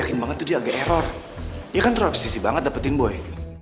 jangan teropsisi banget dapetin boy